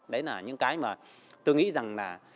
đấy là những cái mà tôi nghĩ rằng là